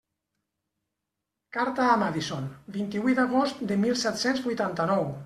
Carta a Madison, vint-i-vuit d'agost de mil set-cents vuitanta-nou.